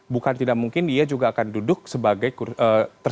bukan tidak mungkin dia juga akan duduk sebagai tersangka